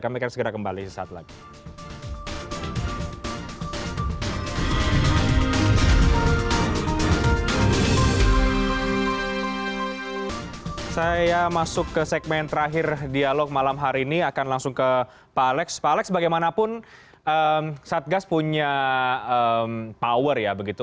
kami akan segera kembali saat lagi